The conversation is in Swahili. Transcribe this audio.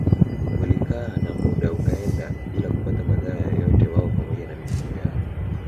Walikaa na muda ukaenda bila kupata madhara yoyote wao pamoja na mifugo yao